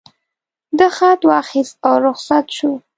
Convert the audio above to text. ده خط واخیست او رخصت شو.